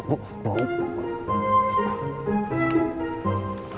kalau mau mau mau